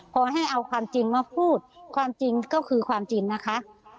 พอให้เอาความจริงมาพูดความจริงก็คือความจริงนะคะ